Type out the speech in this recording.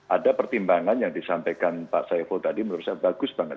ada pertimbangan yang disampaikan pak saiful tadi menurut saya bagus banget